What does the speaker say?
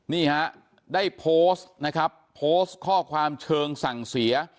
นี่ฮะได้โพสต์นะครับโพสต์ข้อความเชิงสั่งเสีย